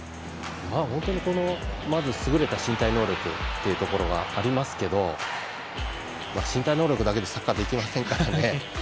本当に、まず優れた身体能力がありますけど身体能力だけじゃサッカーできませんからね。